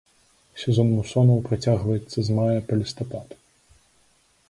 Сезон мусонаў працягваецца з мая па лістапад.